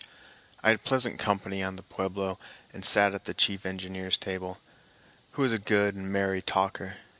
I had pleasant company on the Pueblo and sat at the chief engineer's table, who was a good and merry talker.